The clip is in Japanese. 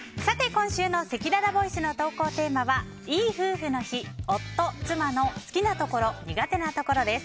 今週のせきららボイスの投稿テーマはいい夫婦の日夫・妻の好きなところ・苦手なところです。